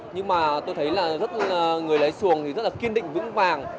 nhưng mà tôi thấy là người lấy xuồng thì rất là kiên định vững vàng